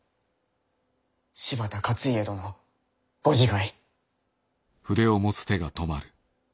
柴田勝家殿ご自害！